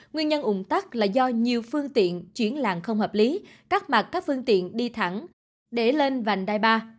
nguyên nhân ủng tắc là do nhiều phương tiện chuyển làng không hợp lý cắt mặt các phương tiện đi thẳng để lên vành đai ba